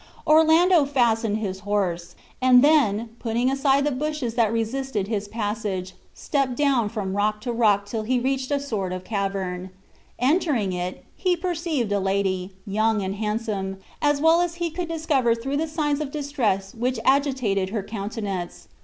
Orlando fastened his horse, and then, putting aside the bushes that resisted his passage, stepped down from rock to rock till he reached a sort of cavern. Entering it, he perceived a lady, young and handsome, as well as he could discover through the signs of distress which agitated her countenance.